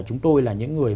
chúng tôi là những người